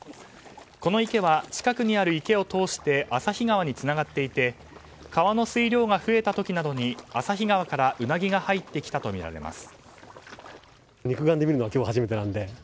この池は近くにある池を通して旭川につながっていて川の水量が増えた時などに旭川からウナギが入ってきたとみられます。